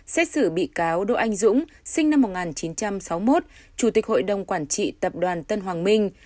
xét xử bị cáo đỗ anh dũng sinh năm một nghìn chín trăm sáu mươi một chủ tịch hội đồng quản trị tập đoàn tân hoàng minh